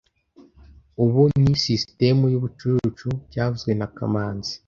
Ubu ni sisitemu yubucucu byavuzwe na kamanzi